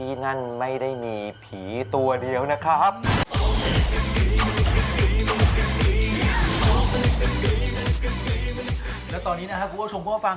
เราไม่สามารถติดต่อกับน้องทางฟัง